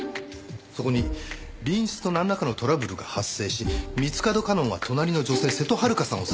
そこに隣室となんらかのトラブルが発生し三ツ門夏音は隣の女性瀬戸はるかさんを殺害。